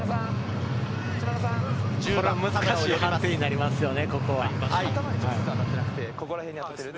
難しい判定になりますよね。